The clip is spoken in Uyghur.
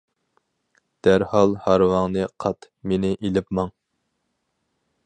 دەرھال ھارۋاڭنى قات، مېنى ئېلىپ ماڭ!